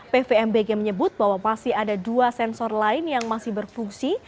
pvmbg menyebut bahwa masih ada dua sensor lain yang masih berfungsi